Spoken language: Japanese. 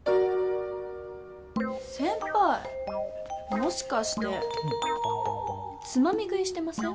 もしかしてつまみ食いしてません？